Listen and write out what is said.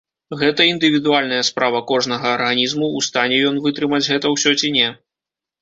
Гэта індывідуальная справа кожнага арганізму, у стане ён вытрымаць гэта ўсё ці не.